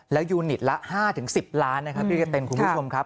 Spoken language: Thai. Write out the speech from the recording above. แล้วยูนิตละ๕๑๐ล้านนะครับพี่กะเต้นคุณผู้ชมครับ